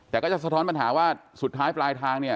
แต่ก็จะสะท้อนปัญหาว่าสุดท้ายปลายทางเนี่ย